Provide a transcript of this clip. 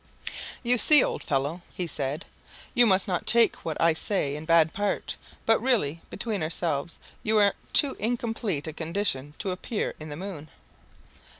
"You see, old fellow," he said, "you must not take what I say in bad part; but really, between ourselves, you are in too incomplete a condition to appear in the moon!"